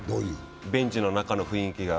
ベンチの中の雰囲気が。